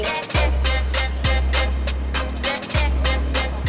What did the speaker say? nih udah udah